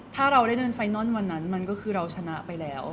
ถ้าเราได้เดินไฟนอนวันนั้นมันก็คือเราชนะไปแล้ว